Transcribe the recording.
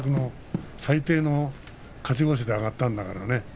最低の勝ち星で上がったんだから。